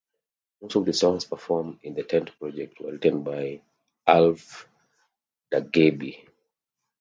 Most of the songs performed in the Tent Project were written by Ulf Dageby.